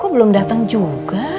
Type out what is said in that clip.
kok belum datang juga